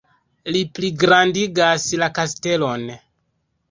Li pligrandigas la kastelon.